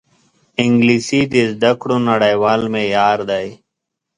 انګلیسي د زده کړو نړیوال معیار دی